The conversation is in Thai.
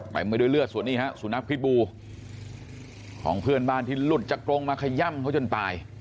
ไปด้วยเลือดส่วนนี้ฮะสุนัขพิษบูของเพื่อนบ้านที่หลุดจากกรงมาขย่ำเขาจนตาย